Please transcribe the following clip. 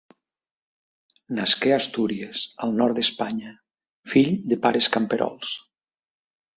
Nasqué a Astúries, al nord d'Espanya, fill de pares camperols.